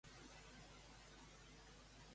Què vol per a ell?